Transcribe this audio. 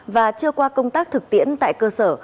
và chưa qua công tác thực tiễn tại cơ sở